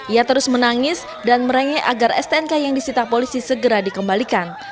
ia terus menangis dan merengek agar stnk yang disita polisi segera dikembalikan